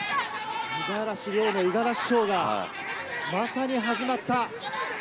五十嵐陵の五十嵐ショーがまさに始まった。